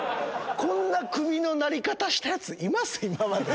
こんなクビのなり方したヤツいます？